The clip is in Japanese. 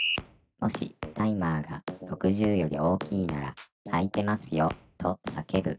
「もしタイマーが６０より大きいなら『開いてますよ』とさけぶ」